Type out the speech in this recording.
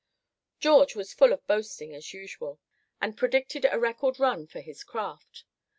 George was full of boasting as usual, and predicted a record run for his craft.